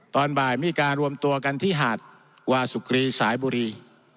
ตอนบ่ายมีการรวมตัวกันที่หาดวาสุกรีสายบุรี